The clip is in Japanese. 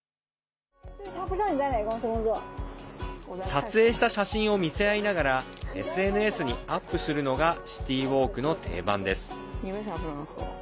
撮影した写真を見せ合いながらＳＮＳにアップするのがシティーウォークの定番です。